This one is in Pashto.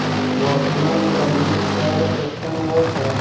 واکمن د امنیت په اړه پوښتنه وکړه.